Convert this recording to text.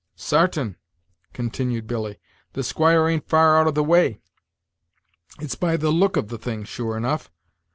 "Sartain," continued Billy; "the squire ain't far out of the way. It's by the look of the thing, sure enough.